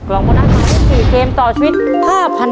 ๑ล้าน